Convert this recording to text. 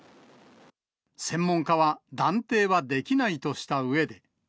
専門家は、断定はできないとしたうえで。